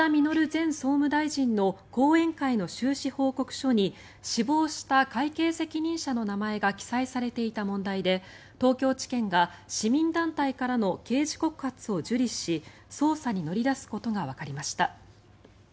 前総務大臣の後援会の収支報告書に死亡した会計責任者の名前が記載されていた問題で東京地検が市民団体からの刑事告発を受理し捜査に乗り出すことがわかりました。